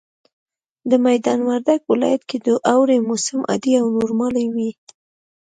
د ميدان وردګ ولايت کي د اوړي موسم عادي او نورمال وي